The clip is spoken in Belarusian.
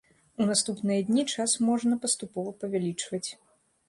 У наступныя дні час можна паступова павялічваць.